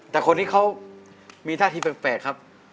แต่คนนี้เขามีท่าทีแปลกครับ